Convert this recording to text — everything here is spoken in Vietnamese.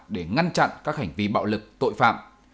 để ngăn chặn các hành vi bạo lực tội phạm